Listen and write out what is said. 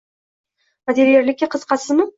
- Modelyerlikka qiziqasizmi?